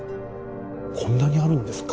こんなにあるんですか。